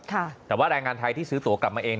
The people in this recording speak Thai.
แต่ว่าแรงงานไทยที่ซื้อตัวกลับมาเอง